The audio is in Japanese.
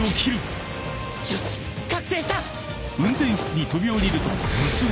よし覚醒した